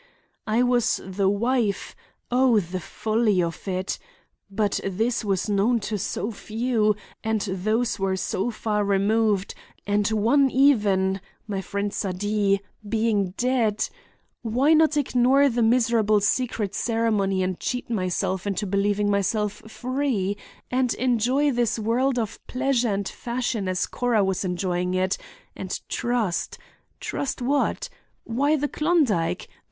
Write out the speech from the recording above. I was the wife—oh, the folly of it—but this was known to so few, and those were so far removed, and one even—my friend Sadie—being dead— Why not ignore the miserable secret ceremony and cheat myself into believing myself free, and enjoy this world of pleasure and fashion as Cora was enjoying it and—trust. Trust what? Why the Klondike!